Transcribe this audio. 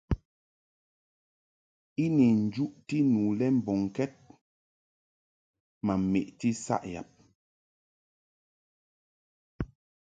I ni njuʼti nu le mbɔŋkɛd ma meʼti saʼ yab.